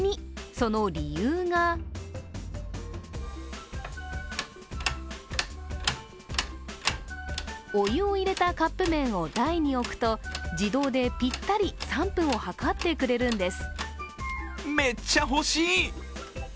その理由がお湯を入れたカップ麺を台に置くと自動でぴったり３分を計ってくれるんです。